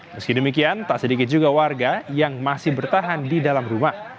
meski demikian tak sedikit juga warga yang masih bertahan di dalam rumah